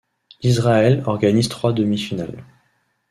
Israël organise trois demi-finales.